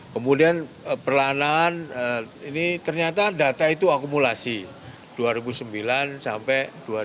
kemudian perlahanan ini ternyata data itu akumulasi dua ribu sembilan sampai dua ribu dua puluh